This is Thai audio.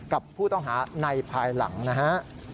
กับผู้ต้องหาในภายหลังนะฮะ